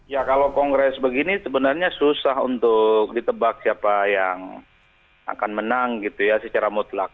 ya kalau kongres begini sebenarnya susah untuk ditebak siapa yang akan menang gitu ya secara mutlak